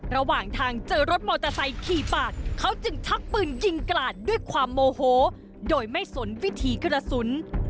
ระหว่างทางเจอรถมอเตอร์ไซค์ขี่ปาดเขาจึงชักปืนยิงกลาดด้วยความโมโหโดยไม่สนวิถีกระสุน